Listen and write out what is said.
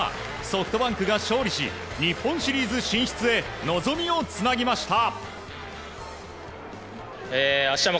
ソフトバンクが勝利し日本シリーズ進出へ望みをつなぎました。